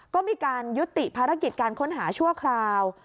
ก็มีการยุติภารกิจการค้นหาชั่วคราว